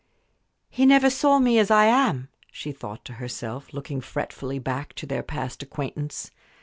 "He never saw me as I am," she thought to herself, looking fretfully back to their past acquaintance.